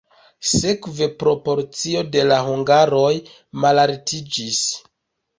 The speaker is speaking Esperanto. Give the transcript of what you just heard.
Sekve proporcio de la hungaroj malaltiĝis.